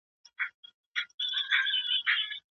که په نصاب کي د ټولني رنګ نه وي نو پردی بریښي.